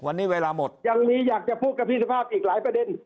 วันนี้เวลาหมดยังมีอยากจะพูดกับพี่สุภาพอีกหลายประเด็น